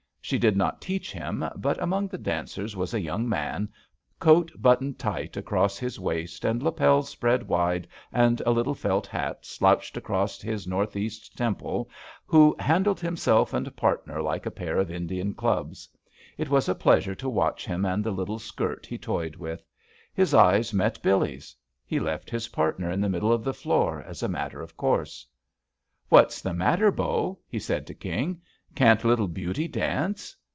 She did not teach him, but among the dancers was a young man, coat buttoned tight across his waist and lapels spread wide and a little felt hat slouched across his northeast temple, who handled himself and partner like a pair of Indian clubs. It was a pleasure to watch him and the little "skirt" he toyed with. His eyes met Billee's. He left his partner in the middle of the floor, as a matter of course. "What's the matter. Bo'?" he said to King. "Can't little Beauty dance?"